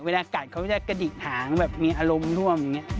กัดเขาจะกระดิกหางแบบมีอารมณ์น่วมอย่างนี้